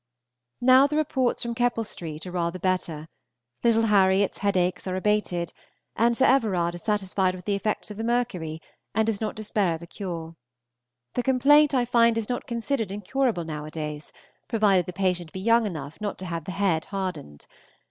Now the reports from Keppel St. are rather better; little Harriot's headaches are abated, and Sir Evd. is satisfied with the effect of the mercury, and does not despair of a cure. The complaint I find is not considered incurable nowadays, provided the patient be young enough not to have the head hardened.